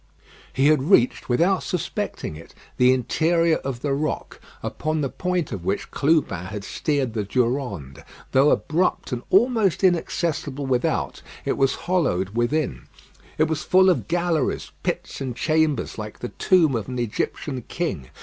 He had reached, without suspecting it, the interior of the rock, upon the point of which Clubin had steered the Durande. Though abrupt and almost inaccessible without, it was hollowed within. It was full of galleries, pits, and chambers, like the tomb of an Egyptian king.